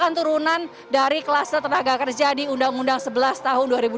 dan turunan dari kelas tenaga kerja di undang undang sebelas tahun dua ribu dua puluh